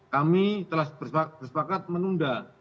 kami telah bersepakat menunda